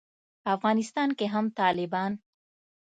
افغانستان کې هم طالبان